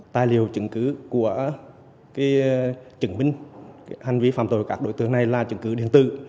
tài liệu chứng cứ của chứng minh hành vi phạm tội các đối tượng này là chứng cứ điện tử